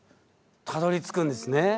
たどりつくんですね。